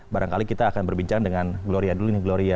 barangkali kita akan berbincang dengan gloria dulu nih gloria